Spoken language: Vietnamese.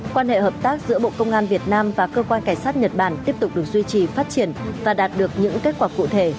quan hệ hợp tác giữa bộ công an việt nam và cơ quan cảnh sát nhật bản tiếp tục được duy trì phát triển và đạt được những kết quả cụ thể